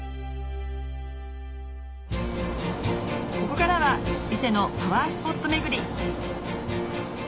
ここからは伊勢のパワースポット巡り